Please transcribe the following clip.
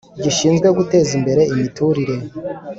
gishinzwe guteza imbere imiturire